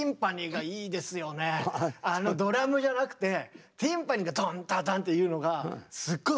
あのドラムじゃなくてティンパニーがドンドドンっていうのがすっごい